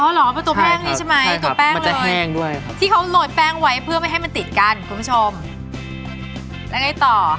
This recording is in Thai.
เหรอประตูแป้งนี้ใช่ไหมตัวแป้งเลยที่เขาโรยแป้งไว้เพื่อไม่ให้มันติดกันคุณผู้ชมแล้วไงต่อ